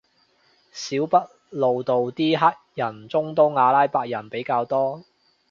小北路度啲黑人中東阿拉伯人比較多